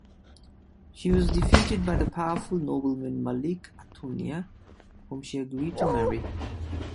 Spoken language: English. She was defeated by the powerful nobleman Malik Altunia whom she agreed to marry.